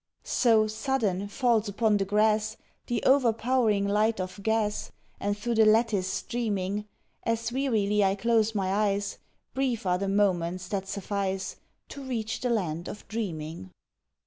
So, sudden, falls upon the grass The overpow'ring light of gas, And through the lattice streaming; As wearily I close my eyes Brief are the moments that suffice To reach the land of dreaming.